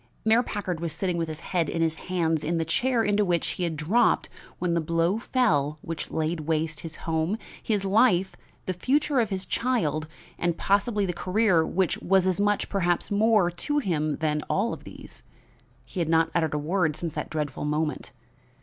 Mayor Packard was sitting with his head in his hands in the chair into which he had dropped when the blow fell which laid waste his home, his life, the future of his child and possibly the career which was as much, perhaps more, to him than all these. He had not uttered a word since that dreadful moment.